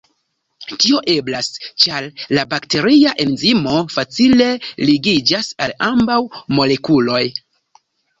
Tio eblas, ĉar la bakteria enzimo facile ligiĝas al ambaŭ molekuloj.